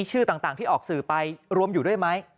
ชื่อต่างที่ออกสื่อไปรวมอยู่ด้วยไหม